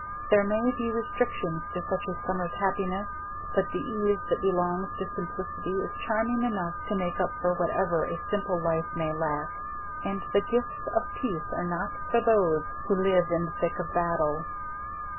There may be restrictions to such a summer's happiness, but the ease that belongs to simplicity is charming enough to make up for whatever a simple life may lack, and the gifts of peace are not for those who live in the thick of battle.